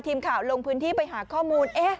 ทีมข่าวลงพื้นที่ไปหาข้อมูล